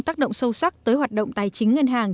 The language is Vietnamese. tác động sâu sắc tới hoạt động tài chính ngân hàng